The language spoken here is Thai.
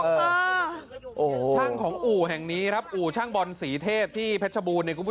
ช่างของอู่แห่งนี้ครับอู่ช่างบอลศรีเทพที่พัชบูรณ์